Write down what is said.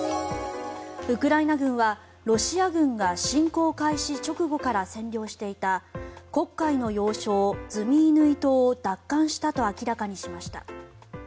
ウクライナ軍はロシア軍が侵攻開始直後から占領していた黒海の要衝、ズミイヌイ島を奪還したと明らかにしました。